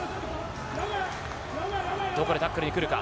どこでタックルに来るか。